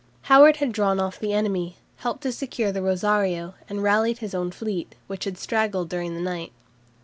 Howard had drawn off from the enemy, helped to secure the "Rosario," and rallied his own fleet, which had straggled during the night.